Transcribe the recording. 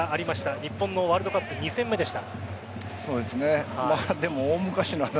日本のワールドカップ２戦目でした。